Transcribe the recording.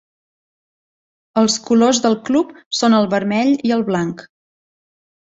Els colors del club són el vermell i el blanc.